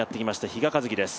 比嘉一貴です。